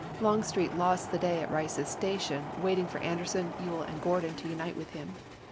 Longstreet lost the day at Rice's Station waiting for Anderson, Ewell, and Gordon to unite with him.